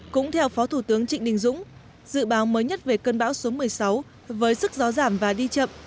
cũng theo phó thủ tướng trịnh đình dũng dự báo mới nhất về cơn bão số một mươi sáu với sức gió giảm và đi chậm